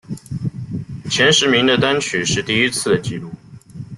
前十名的单曲是第一次的记录。